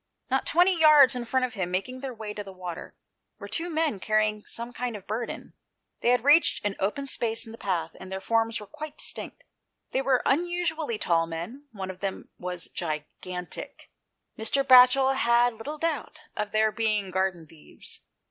Not twenty yards in front of him, making their way to the water, were two men carrying some kind of burden. They had reached an open space in the path, and their forms were quite distinct : they were unusually tall men ; one of them was gigantic. Mr. Batchel had little doubt of their being garden thieves.